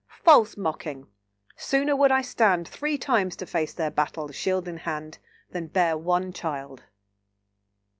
—False mocking! Sooner would I stand Three times to face their battles, shield in hand, Than bear one child."